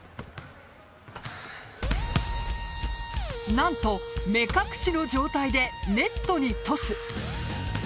何と、目隠しの状態でネットにトス。